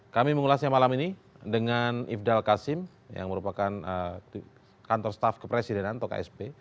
kami mengulasnya malam ini dengan ifdal kasim yang merupakan kantor staf kepresidenan untuk asp